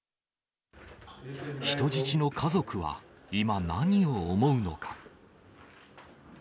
人質の家族は今、何を思うのか。